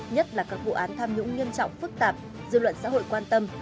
nhất là các vụ án tham nhũng nghiêm trọng phức tạp dư luận xã hội quan tâm